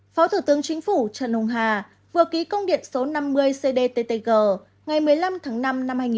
phó thủ tướng chính phủ trần hùng hà vừa ký công điện số năm mươi cdttg ngày một mươi năm tháng năm năm hai nghìn một mươi